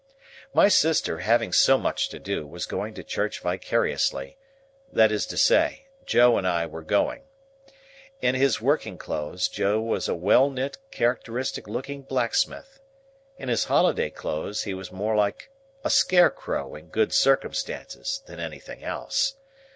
My sister, having so much to do, was going to church vicariously, that is to say, Joe and I were going. In his working clothes, Joe was a well knit characteristic looking blacksmith; in his holiday clothes, he was more like a scarecrow in good circumstances, than anything else.